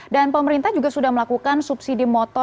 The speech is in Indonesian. dan pemerintah juga sudah melakukan subsidi motor